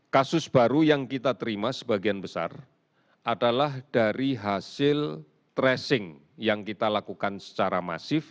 kasus baru yang kita terima sebagian besar adalah dari hasil tracing yang kita lakukan secara masif